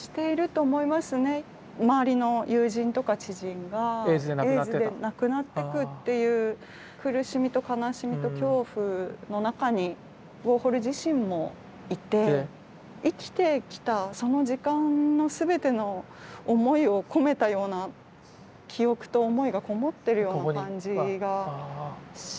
周りの友人とか知人がエイズで亡くなってくっていう苦しみと悲しみと恐怖の中にウォーホル自身もいて生きてきたその時間のすべての思いを込めたような記憶と思いがこもってるような感じがしますよね。